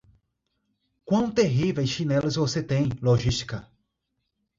Quão terríveis chinelos você tem, Lojzka!